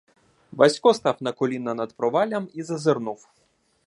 Васько став на коліна над проваллям і зазирнув.